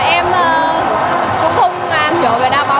em cũng không chở về đa bóng lắm